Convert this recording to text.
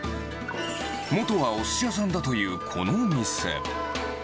元はおすし屋さんだというこのお店。